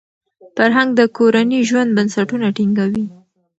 فرهنګ د کورني ژوند بنسټونه ټینګوي.